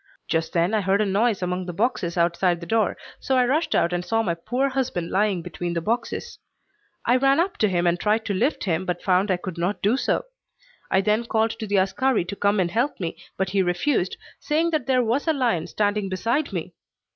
Just then I heard a noise among the boxes outside the door, so I rushed out and saw my poor husband lying between the boxes. I ran up to him and tried to lift him, but found I could not do so. I then called to the askari to come and help me, but he refused, saying that there was a lion standing beside me.